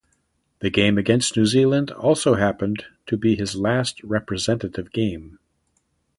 The game against New Zealand also happened to be his last representative game.